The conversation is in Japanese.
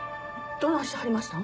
どないしはりましたん？